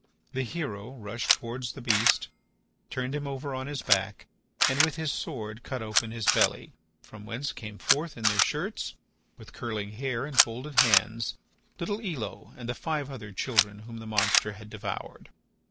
The hero rushed towards the beast, turned him over on his back, and with his sword cut open his belly, from whence came forth in their shirts, with curling hair and folded hands, little Elo and the five other children whom the monster had devoured.